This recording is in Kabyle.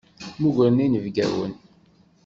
Mmugren inebgawen.